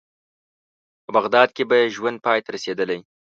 په بغداد کې به یې ژوند پای ته رسېدلی.